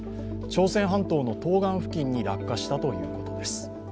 朝鮮半島の東岸付近に落下したということです。